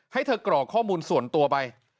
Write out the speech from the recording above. ให้เธอกรอกข้อมูลส่วนตัวไป